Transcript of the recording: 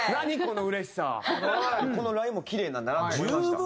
このラインもキレイなんだなと思いました。